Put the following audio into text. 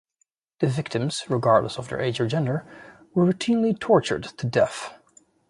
The victims, regardless of their age or gender, were routinely tortured to death.